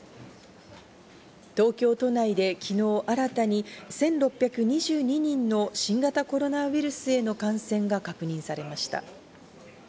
東京都内で昨日新たに１６２２人の新型コロナウイルスへの感染が確認されました。